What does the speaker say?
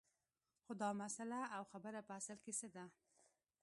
خو دا مسله او خبره په اصل کې څه ده